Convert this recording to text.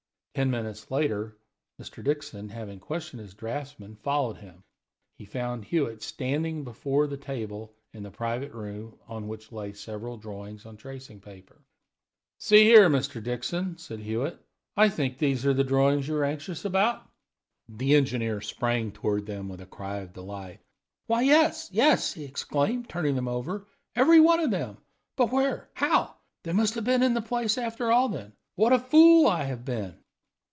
Ten minutes later Mr. Dixon, having questioned his draughtsmen, followed him. He found Hewitt standing before the table in the private room, on which lay several drawings on tracing paper. "See here, Mr. Dixon," said Hewitt, "I think these are the drawings you are anxious about?" The engineer sprang toward them with a cry of delight. "Why, yes, yes," he exclaimed, turning them over, "every one of them! But where how they must have been in the place after all, then? What a fool I have been!"